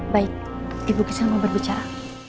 baik ibu bisa mau berbicara